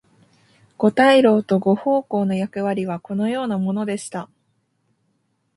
五大老と五奉行の役割はこのようなものでした。